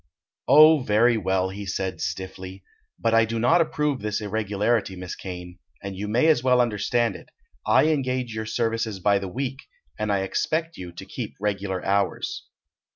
"Oh; very well," he said, stiffly. "But I do not approve this irregularity, Miss Kane, and you may as well understand it. I engage your services by the week, and expect you to keep regular hours."